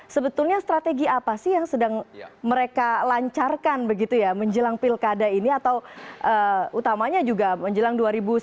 sebetulnya strategi apa sih yang sedang mereka lancarkan begitu ya menjelang pilkada ini atau utamanya juga menjelang dua ribu sembilan belas